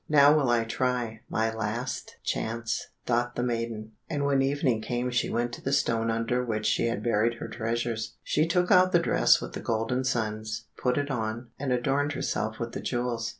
"Now will I try my last chance," thought the maiden, and when evening came she went to the stone under which she had buried her treasures. She took out the dress with the golden suns, put it on, and adorned herself with the jewels.